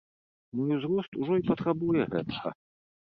Мой узрост ужо і патрабуе гэтага.